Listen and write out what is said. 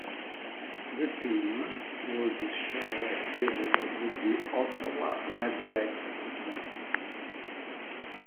The team would share a field with the Ottawa Redblacks football team.